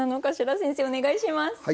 先生お願いします。